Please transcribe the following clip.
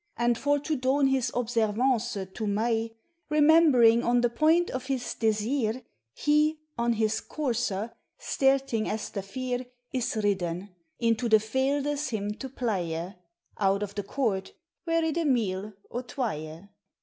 And for to doon his observance to May, Kenieinbryng on the j.oynt of his desir, lie on his courser, stertyng as tie' fir, X Is riden, into the feeldes him to pleye Out of the court, wore it a myle or tweye.